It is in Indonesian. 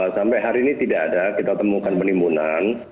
sampai hari ini tidak ada kita temukan penimbunan